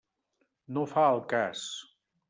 No fa al cas.